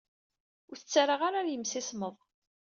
Ur t-ttarraɣ ara ɣer yimsismeḍ.